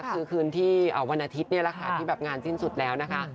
คือคืนที่วันอาทิตย์นี่แหละค่ะที่แบบงานสิ้นสุดแล้วนะคะ